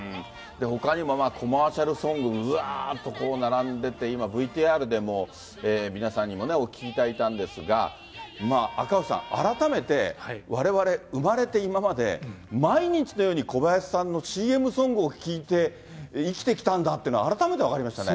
ほかにもコマーシャルソング、うわーっとこう並んでて、今、ＶＴＲでも皆さんにもお聞きいただいたんですが、まあ赤星さん、改めてわれわれ、生まれて今まで毎日のように小林さんのＣＭソングを聴いて生きてきたんだっていうのが改めて分かりましたね。